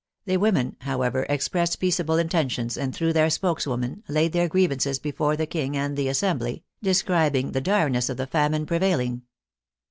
The women, how ever, expressed peaceable intentions, and through their spokeswoman laid their grievances before the King and the Assembly, describing the direness of the famine pre vailing.